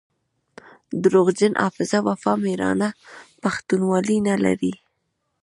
دروغجن حافظه وفا ميړانه پښتونولي نلري